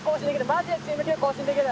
マジでチーム記録更新できる。